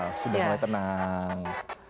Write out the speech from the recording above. ah sudah mulai tenang